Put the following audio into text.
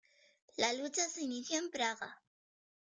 La lucha se inició en Praga.